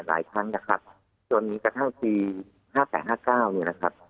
หลายครั้งนะครับจนกระทั่งปีห้าแปดห้าเก้าเนี่ยนะครับ